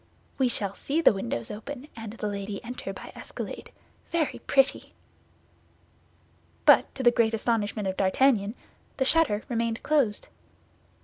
We shall see the windows open, and the lady enter by escalade. Very pretty!" But to the great astonishment of D'Artagnan, the shutter remained closed.